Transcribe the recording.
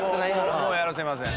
もうやらせません。